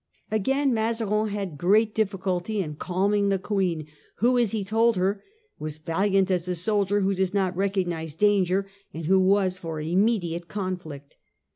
Again Mazarin had great difficulty in calming the Queen, who, as he told her, was valiant as a soldier who does not recognise danger, and who was for immediate conflict.